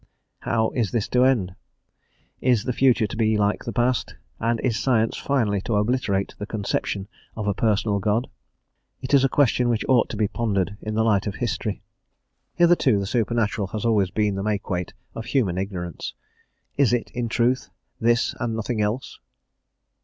How is this to end? Is the future to be like the past, and is science finally to obliterate the conception of a personal God? It is a question which ought to be pondered in the light of history. Hitherto the supernatural has always been the makeweight of human ignorance; is it, in truth, this and nothing else?